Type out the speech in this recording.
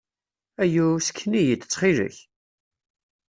Ayu! Sken-iyi-d, ttxil-k!